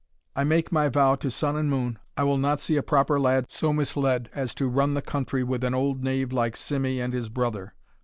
I make my vow to sun and moon, I will not see a proper lad so misleard as to run the country with an old knave like Simmie and his brother.